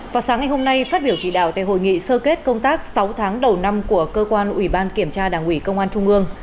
vào sáng ngày hôm nay phát biểu chỉ đạo tại hội nghị sơ kết công tác sáu tháng đầu năm của cơ quan ủy ban kiểm tra đảng ủy công an trung ương